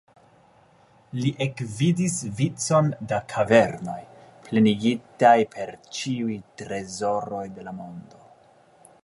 Li ekvidis vicon da kavernoj, plenigitaj per ĉiuj trezoroj de la mondo.